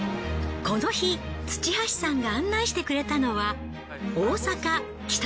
この日土橋さんが案内してくれたのは。